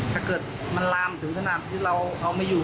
ถ้าเกิดมันลามถึงขนาดที่เราเอาไม่อยู่